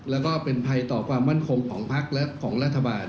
แล้วก็เป็นภัยต่อความมั่นคงของพักและของรัฐบาล